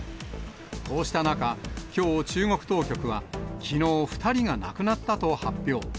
こうした中、きょう、中国当局は、きのう、２人が亡くなったと発表。